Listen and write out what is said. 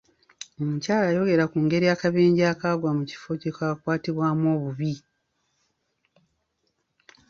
Omukyala yayogera ku ngeri akabenje akaagwa mu kifo gye kaakwatibwamu obubi.